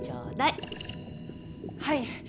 はい。